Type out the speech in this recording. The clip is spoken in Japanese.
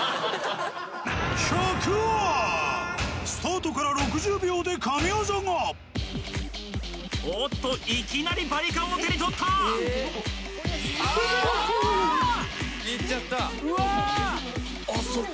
スタートから６０秒で神技がおっといきなりバリカンを手に取ったうわーっ！